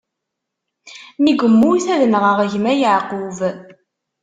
Mi yemmut, ad nɣeɣ gma Yeɛqub.